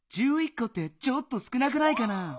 こってちょっと少なくないかな？